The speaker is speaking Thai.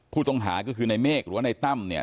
ผู้ต้องหาก็คือในเมฆหรือว่าในตั้มเนี่ย